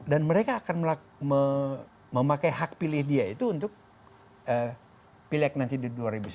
dan mereka akan memakai hak pilih dia itu untuk pilih nanti di dua ribu sembilan belas